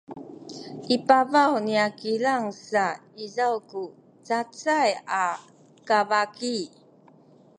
i pabaw niya kilang sa izaw ku cacay a kabaki